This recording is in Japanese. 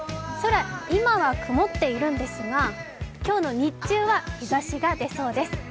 空、今は曇っているんですが、今日の日中は日ざしが出そうです。